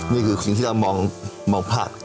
นี่คือสิ่งที่เรามองพลาด